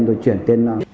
rồi chuyển tiền